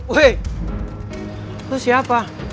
weh lu siapa